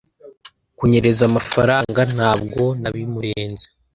Kunyereza amafaranga? Ntabwo nabimurenze.